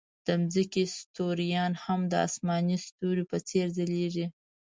د ځمکې ستوریان هم د آسماني ستوریو په څېر ځلېږي.